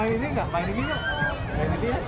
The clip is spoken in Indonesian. mau main ini gak main ini gak